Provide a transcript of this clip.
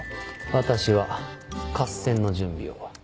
私は合戦の準備を。